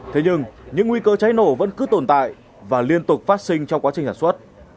thế nhưng những nguy cơ cháy nổ vẫn cứ tồn tại và liên tục phát sinh trong quá trình sản xuất